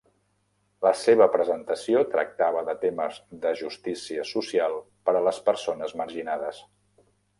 La seva presentació tractava de temes de justícia social per a les persones marginades.